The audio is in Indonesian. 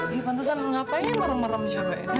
eh pantasan lu ngapain merem merem siapa itu